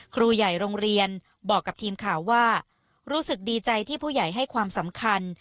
ครูใหญ่โรงเรียนบอกกับทีมข่าวว่ารู้สึกดีใจที่ผู้ใหญ่ให้ความสำคัญ